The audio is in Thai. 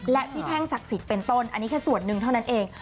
และพี่แท่งศักดิ์สิทธิ์เป็นต้นอันนี้แค่ส่วนหนึ่งเท่านั้นเอง